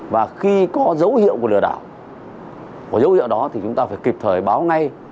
và khi có dấu hiệu của lừa đảo có dấu hiệu đó thì chúng ta phải kịp thời báo ngay